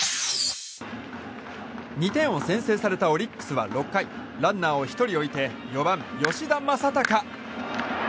２点を先制されたオリックスは６回ランナーを１人置いて４番、吉田正尚。